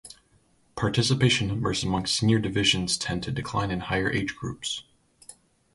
Participation numbers amongst senior divisions tend to decline in higher age groups.